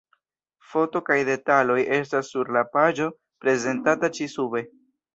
Foto kaj detaloj estas sur la paĝo prezentata ĉi-sube.